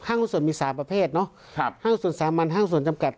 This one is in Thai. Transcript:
หุ้นส่วนมีสามประเภทเนอะครับห้างส่วนสามัญห้างส่วนจำกัด